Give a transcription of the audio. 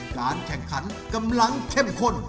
การแข่งขันกำลังเข้มข้น